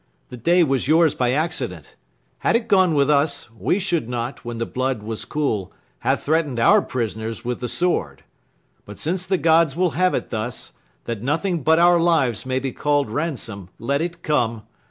The day Was yours by accident; had it gone with us, We should not, when the blood was cool, have threaten'd Our prisoners with the sword. But since the gods Will have it thus, that nothing but our lives May be call'd ransom, let it come.